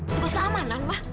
itu pas keamanan ma